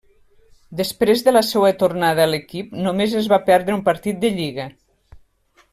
Després de la seua tornada a l'equip només es va perdre un partit de lliga.